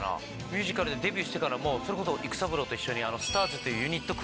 ミュージカルでデビューしてからもそれこそ育三郎と一緒に「ＳｔａｒＳ」っていう。